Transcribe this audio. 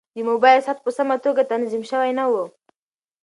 د موبایل ساعت په سمه توګه تنظیم شوی نه و.